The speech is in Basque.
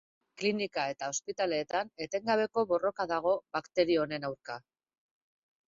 Klinika eta ospitaleetan etengabeko borroka dago bakterio honen aurka.